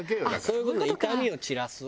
そういう事ね痛みを散らす。